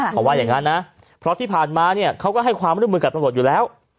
เขาว่าอย่างนั้นนะเพราะที่ผ่านมาเนี่ยเขาก็ให้ความร่วมมือกับตำรวจอยู่แล้ว